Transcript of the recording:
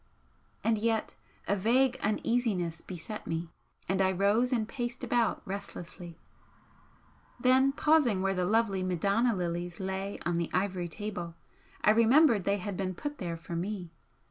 And yet a vague uneasiness beset me, and I rose and paced about restlessly, then pausing where the lovely Madonna lilies lay on the ivory table, I remembered they had been put there for me.